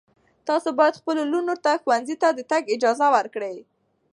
تاسو باید خپلو لوڼو ته ښوونځي ته د تګ اجازه ورکړئ.